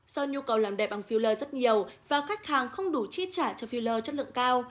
do nhu cầu làm đẹp bằng filler rất nhiều và khách hàng không đủ chi trả cho filler chất lượng cao